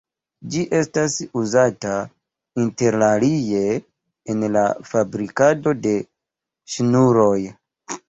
Ĝi estas uzata interalie en la fabrikado de ŝnuroj.